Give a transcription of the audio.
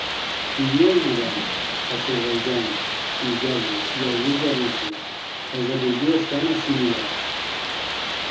Vivien a Iran, Azerbaidjan i Geòrgia i alguns a Rússia; els de Turquia estan assimilats.